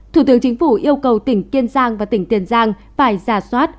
thủ tướng chính phủ yêu cầu tỉnh kiên giang và tỉnh tiền giang phải giả soát